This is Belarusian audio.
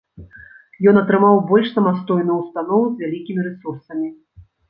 Ён атрымаў больш самастойную ўстанову з вялікімі рэсурсамі.